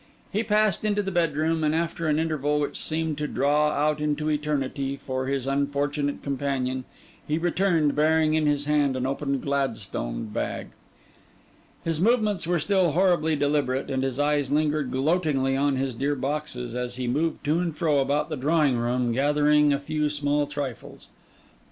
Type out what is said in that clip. He passed into the bedroom, and after an interval which seemed to draw out into eternity for his unfortunate companion, he returned, bearing in his hand an open Gladstone bag. His movements were still horribly deliberate, and his eyes lingered gloatingly on his dear boxes, as he moved to and fro about the drawing room, gathering a few small trifles.